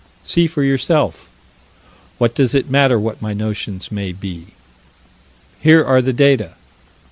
See for yourself. What does it matter what my notions may be? Here are the data.